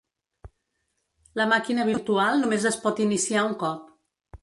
La màquina virtual només es pot iniciar un cop.